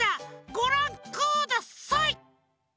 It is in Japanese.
ごらんください！